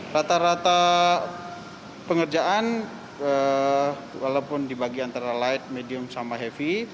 rata rata pengerjaan walaupun di bagian antara light medium sama heavy